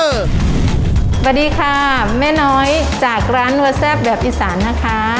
สวัสดีค่ะแม่น้อยจากร้านนัวแซ่บแบบอีสานนะคะ